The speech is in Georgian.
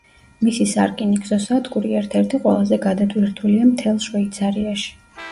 მისი სარკინიგზო სადგური ერთ-ერთი ყველაზე გადატვირთულია მთელს შვეიცარიაში.